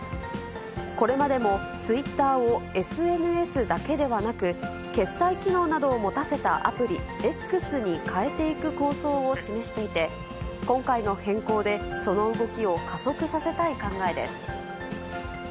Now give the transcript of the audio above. これまでも、ツイッターをＳＮＳだけではなく、決済機能などを持たせたアプリ、Ｘに変えていく構想を示していて、今回の変更で、その動きを加速させたい考えです。